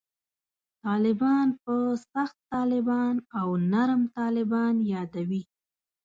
طالبان په «سخت طالبان» او «نرم طالبان» یادوي.